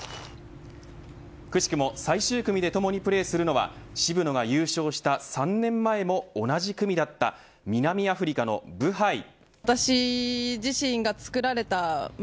くしくも最終組でともにプレーするのは渋野が優勝した３年前も同じ組だった南アフリカのブハイ。